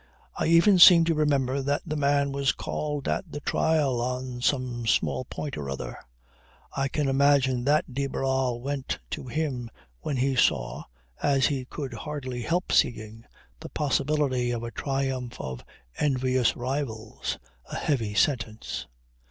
I even seem to remember that the man was called at the trial on some small point or other. I can imagine that de Barral went to him when he saw, as he could hardly help seeing, the possibility of a "triumph of envious rivals" a heavy sentence.